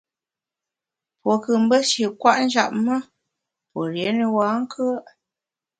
Pue nkù mbe shi nkwet njap me, pue rié ne bankùe’.